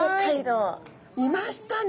いましたね。